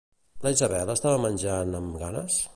La Isabel estava menjant amb ganes?